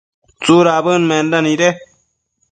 ¿tsudabëd menda nide ?